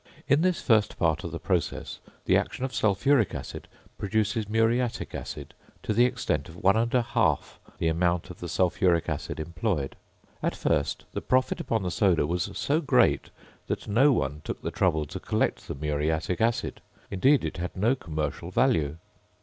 In this first part of the process, the action of sulphuric acid produces muriatic acid to the extent of one and a half the amount of the sulphuric acid employed. At first, the profit upon the soda was so great, that no one took the trouble to collect the muriatic acid: indeed it had no commercial value.